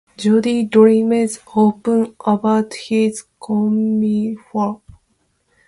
Jody dreams often about his coming foal.